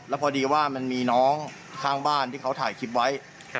แล้วพอดีว่ามันมีน้องข้างบ้านที่เขาถ่ายคลิปไว้